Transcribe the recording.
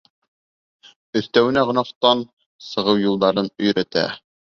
Өҫтәүенә гонаһтан сығыу юлдарын өйрәтә.